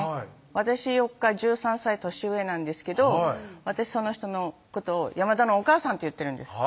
私よりか１３歳年上なんですけど私その人のことを山田のおかあさんって言ってるんです